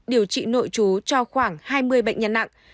điều trị nội chú cho khoảng hai mươi bệnh nhân nặng